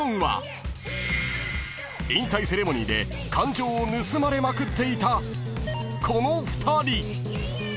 ［引退セレモニーで感情を盗まれまくっていたこの２人］